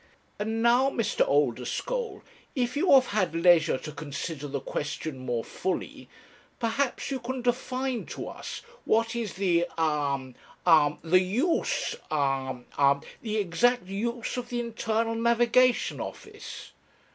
'And now, Mr. Oldeschole, if you have had leisure to consider the question more fully, perhaps you can define to us what is the hum hm the use hm hm the exact use of the Internal Navigation Office?'